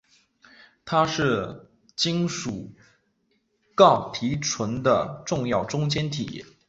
它是金属锆提纯的重要中间体。